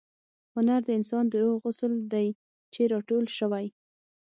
هنر د انسان د روح عسل دی چې را ټول شوی.